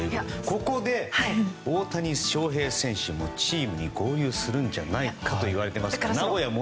ここで大谷翔平選手もチームに合流するんじゃないかと言われてますから。